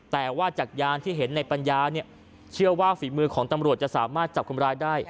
แต่ว่าจักรยานที่เห็นในปัญญาเนี่ยเชื่อว่าฝีมือของตำรวจจะสามารถจับคนร้ายได้